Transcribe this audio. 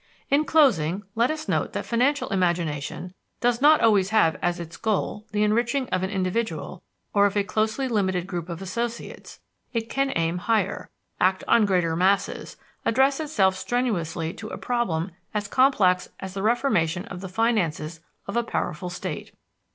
In closing, let us note that financial imagination does not always have as its goal the enriching of an individual or of a closely limited group of associates: it can aim higher, act on greater masses, address itself strenuously to a problem as complex as the reformation of the finances of a powerful state.